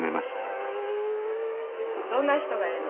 どんな人がええの？